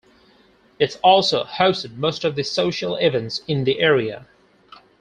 It also hosted most of the social events in the area.